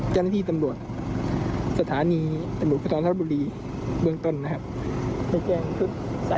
เดี๋ยวรถินเนี่ยรถชน